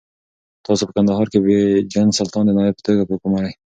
تاسو په کندهار کې بېجن سلطان د نایب په توګه وګمارئ.